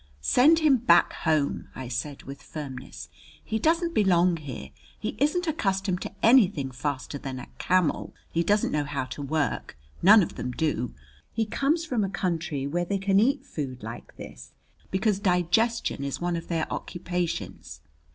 "Send him back home," I said with firmness. "He doesn't belong here; he isn't accustomed to anything faster than a camel. He doesn't know how to work none of them do. He comes from a country where they can eat food like this because digestion is one of their occupations."